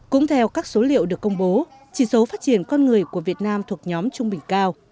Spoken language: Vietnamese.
cũng theo các số liệu được công bố chỉ số phát triển con người của việt nam thuộc nhóm trung bình cao